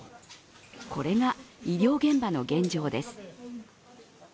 これが医療現場の現状です。